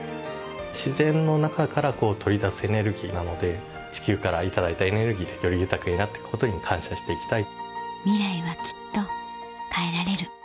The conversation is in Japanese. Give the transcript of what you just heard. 自然の中から取り出すエネルギーなので地球から頂いたエネルギーでより豊かになっていくことに感謝していきたい。